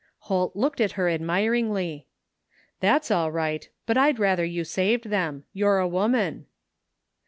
Holt looked at her admiringly. " That's all right, but I'd rather you saved them. You're a woman."